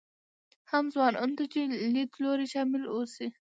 هم ځوانانو ته چې لیدلوري شامل اوسي.